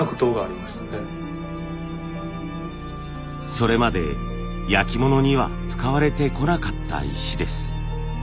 それまで焼き物には使われてこなかった石です。